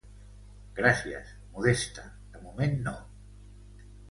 Gràcies, Modesta, de moment no.